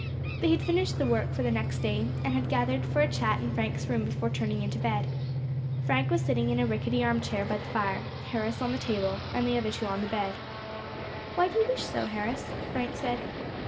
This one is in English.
They had finished the work for the next day, and had gathered for a chat in Frank's room before turning into bed. Frank was sitting in a rickety arm chair by the fire, Harris on the table, and the other two on the bed. "Why do you wish so, Harris?" Frank said.